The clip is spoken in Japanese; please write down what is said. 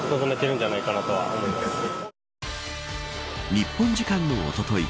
日本時間のおととい